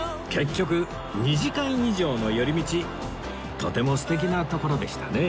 とても素敵な所でしたね